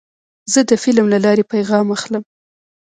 زه د فلم له لارې پیغام اخلم.